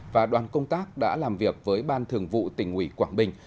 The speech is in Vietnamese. và đoàn công tác đã làm việc với ban thường vụ tỉnh ủy quảng bình